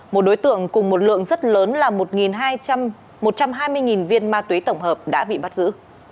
một đối tượng cùng một lượng rất lớn là một trăm hai mươi viên ma túy tổng hợp đã bị bắt giữ